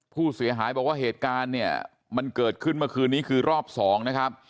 ผู้เสียหายบอกว่าเหตุการณ์เนี่ยมันเกิดขึ้นเมื่อคืนนี้คือรอบสองนะครับ